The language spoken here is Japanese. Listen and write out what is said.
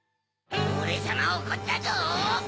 オレさまおこったぞ！